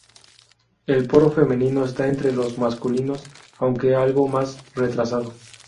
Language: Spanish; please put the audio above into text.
El poro femenino está entre los masculinos, aunque algo más retrasado.